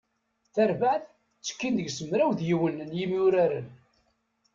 Tarbaɛt, tekkin deg-s mraw d yiwen n yimwuraren.